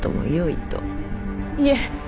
いえ！